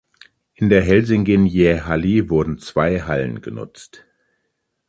In der Helsingin Jäähalli wurden zwei Hallen genutzt.